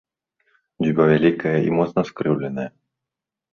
Дзюба вялікая і моцна скрыўленая.